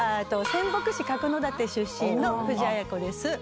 仙北市角館出身の藤あや子です。